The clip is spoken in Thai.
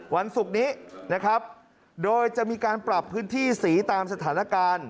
วันศุกร์นี้นะครับโดยจะมีการปรับพื้นที่สีตามสถานการณ์